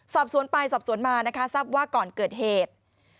สอบสวนไปสอบสวนมานะคะทราบว่าก่อนเกิดเหตุ